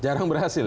jarang berhasil ya